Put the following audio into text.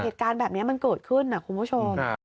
เหตุการณ์แบบนี้มันเกิดขึ้นนะคุณผู้ชม